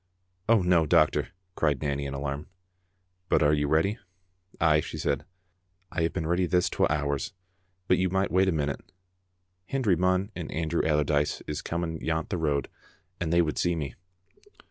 "Oh, no, doctor," cried Nanny in alarm. " But you are ready?" "Ay," she said, "I have been ready this twa hours, but you micht wait a minute. Hendry Munn and An drew Allardyce is coming yont the road, and they would see me."